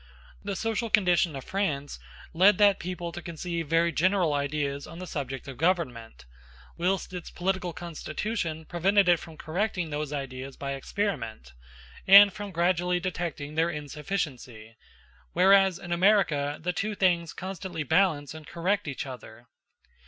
The social condition of France led that people to conceive very general ideas on the subject of government, whilst its political constitution prevented it from correcting those ideas by experiment, and from gradually detecting their insufficiency; whereas in America the two things constantly balance and correct each other.